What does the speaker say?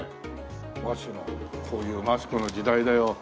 和紙のこういうマスクの時代だよ。